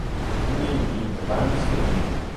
Juny wie de waarmste ea.